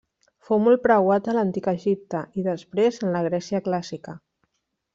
Fou molt preuat a l'antic Egipte i després en la Grècia clàssica.